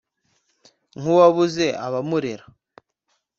Nk'uwabuze abamurera